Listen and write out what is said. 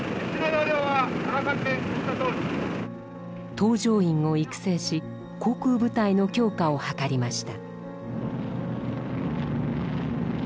搭乗員を育成し航空部隊の強化を図りました。